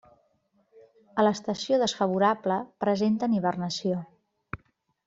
A l'estació desfavorable presenten hibernació.